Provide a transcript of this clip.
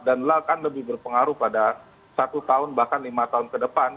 dan akan lebih berpengaruh pada satu tahun bahkan lima tahun ke depan